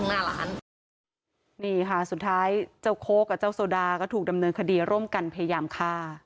ใช่ค่ะคนที่มาทานเขากำลังจัดกลับบ้าน